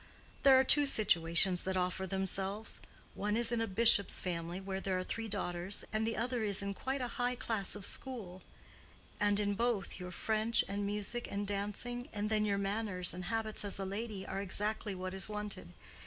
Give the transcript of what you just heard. "There are two situations that offer themselves. One is in a bishop's family, where there are three daughters, and the other is in quite a high class of school; and in both, your French, and music, and dancing—and then your manners and habits as a lady, are exactly what is wanted.